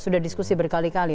sudah diskusi berkali kali